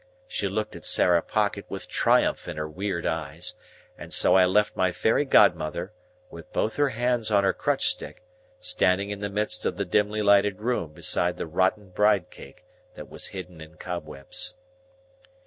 She looked at Sarah Pocket with triumph in her weird eyes, and so I left my fairy godmother, with both her hands on her crutch stick, standing in the midst of the dimly lighted room beside the rotten bride cake that was hidden in cobwebs.